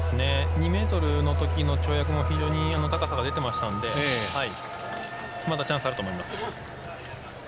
２ｍの時の跳躍も非常に高さが出てましたのでまだチャンスあると思います。